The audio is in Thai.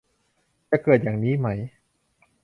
จะเกิดอย่างนี้ไหม ?